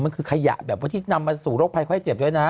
มันคือขยะแบบว่าที่นำมาสู่โรคภัยไข้เจ็บด้วยนะ